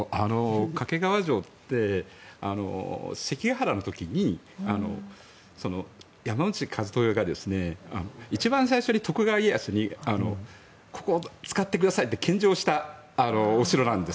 掛川城って関ケ原の時に山内一豊が一番最初に徳川家康にここを使ってくださいって献上したお城なんです。